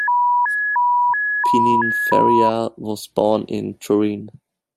Pininfarina was born in Turin.